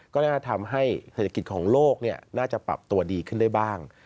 ก็น่าจะทำให้เศรษฐกิจของโลกน่าจะปรับตัวดีขึ้นได้บ้าง